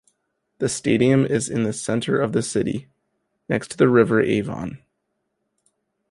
The stadium is in the centre of the city, next to the River Avon.